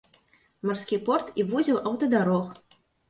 Марскі порт і вузел аўтадарог.